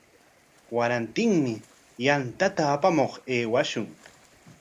Warantinmi yantata apamuq aywashun.